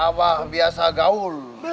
abah biasa gaul